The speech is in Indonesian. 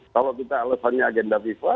kalau kita alasannya agenda fifa